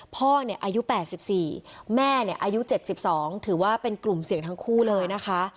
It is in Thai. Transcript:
พ่ออายุ๘๔แม่อายุ๗๒ถือว่าเป็นกลุ่มเสี่ยงทั้งคู่เลยนะคะ